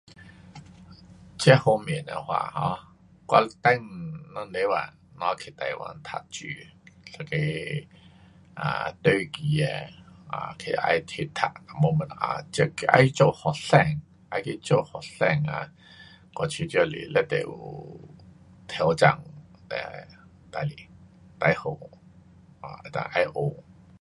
这方面的话 um 我上两礼拜才去台湾读书，一个啊，一个短期的，啊，去再去读什么东西这，去再做学生，再做学生啊，我觉得是非常有挑战的事情。最好啊能够再学。